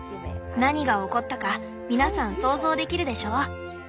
「何が起こったか皆さん想像できるでしょう？